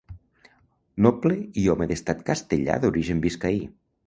Noble i home d'estat castellà d'origen biscaí.